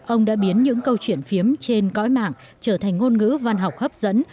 ông đã biến những câu chuyện phiếm trên cõi mạng trở thành ngôn ngữ văn học hấp dẫn